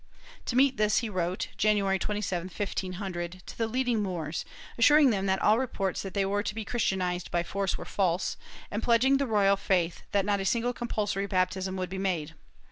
To meet this he wrote, January 27, 1500, to the leading Moors, assuring them that all reports that they were to be Christianized by force were false, and pledging the royal faith that not a single compulsory baptism would be made.